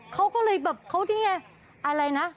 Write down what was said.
เขาก็เลยแบบเขานี่ไงอะไรนะ